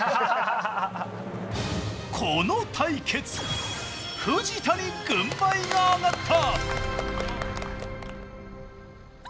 この対決藤田に軍配が上がった！